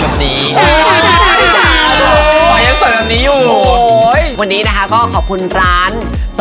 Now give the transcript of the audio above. วันนี้นะคะก็ขอคุณร้าน